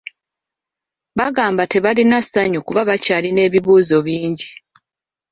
Bagamba tebalina ssanyu kuba bakyalina ebibuuzo bingi.